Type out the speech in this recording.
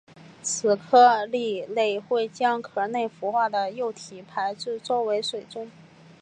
此科蜊类会将壳内孵化的幼体排至周围水中。